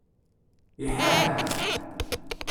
Iḥar.